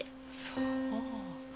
そう。